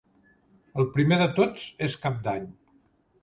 El primer de Tots és Cap d'Any.